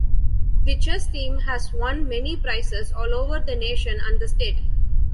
The Chess Team has won many prizes all over the nation and the state.